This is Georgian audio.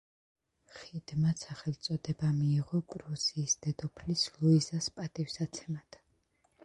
ხიდმა სახელწოდება მიიღო პრუსიის დედოფლის ლუიზას პატივსაცემად.